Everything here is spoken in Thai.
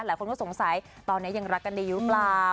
หลายคนก็สงสัยตอนนี้ยังรักกันดีหรือเปล่า